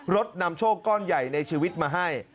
รถนำโชคก้อนใหญ่ในชีวิตมาให้